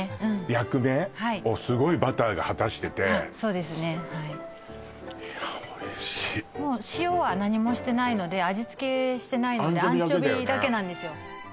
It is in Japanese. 役目？をすごいバターが果たしててそうですねはいいやおいしいもう塩は何もしてないので味付けしてないのでアンチョビだけなんですよ